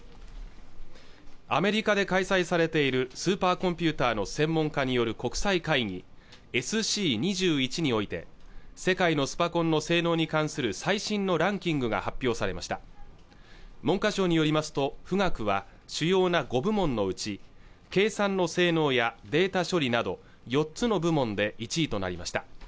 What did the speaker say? アメリカで開催されているスーパーコンピューターの専門家による国際会議ＳＣ２１において世界のスパコンの性能に関する最新のランキングが発表されました文科省によりますと富岳は主要な５部門のうち計算の性能やデータ処理など４つの部門で１位となりました